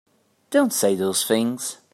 Don't say those things!